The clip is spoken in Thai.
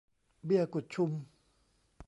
เบี้ยกุดชุม